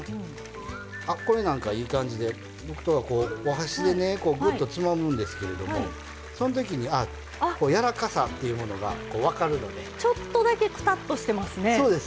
これなんかいい感じでお箸でぐっとつまむんですけれどもそのときにやわらかさというものがちょっとだけくたっとしてますね。